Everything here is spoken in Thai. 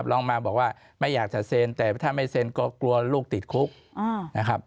ลองมาบอกว่าไม่อยากจะเซ็นแต่ถ้าไม่เซ็นก็กลัวลูกติดคุกนะครับ